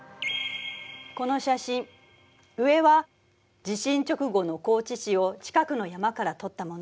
この写真上は地震直後の高知市を近くの山から撮ったもの。